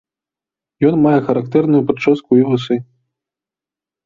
Ён мае характэрную прычоску і вусы.